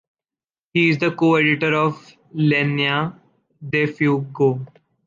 He is the coeditor of ‘Línea de fuego’.